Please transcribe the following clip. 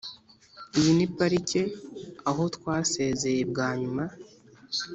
iyi ni parike aho twasezeye bwa nyuma.